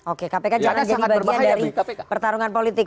oke kpk jangan jadi bagian dari pertarungan politik